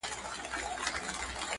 او خیال پالنه ده